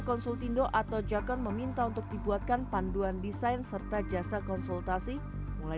konsultindo atau jakon meminta untuk dibuatkan panduan desain serta jasa konsultasi mulai